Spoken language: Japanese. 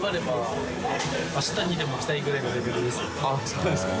そうですか。